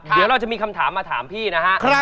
เดี๋ยวเราจะมีคำถามมาถามพี่นะฮะ